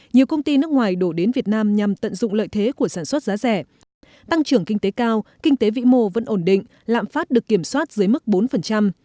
nhiều công ty nước ngoài đổ đến việt nam nhằm tận dụng lợi thế của sản xuất giá rẻ tăng trưởng kinh tế cao kinh tế vĩ mô vẫn ổn định lạm phát được kiểm soát dưới mức bốn